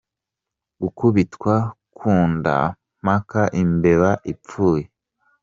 Gukubitwa ku nda mpaka imbeba ipfuye.